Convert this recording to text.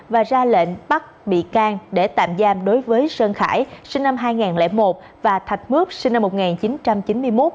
và ra lệnh bắt bị can để tạm giam đối với sơn khải sinh năm hai nghìn một và thạch mướp sinh năm một nghìn chín trăm chín mươi một